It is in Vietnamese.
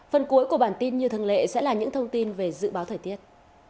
phần cuối của bản tin như thường lệ sẽ là những thông tin về dự báo thời tiết